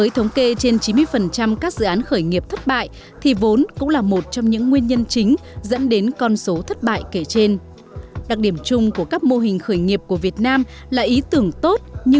thì các dự án khởi nghiệp sẽ khó có được thành quả mong muốn